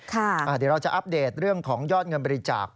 เดี๋ยวเราจะอัปเดตเรื่องของยอดเงินบริจาค